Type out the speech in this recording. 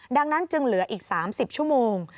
ดังนั้นจึงเหลืออีก๓๐ชั่วโมง